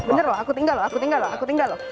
bener loh aku tinggal loh